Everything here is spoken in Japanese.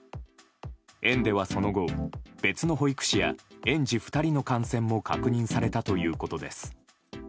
園ではその後、別の保育士や園児２人の感染も確認されたということです。